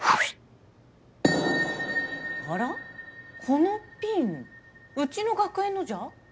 このピンうちの学園のじゃ。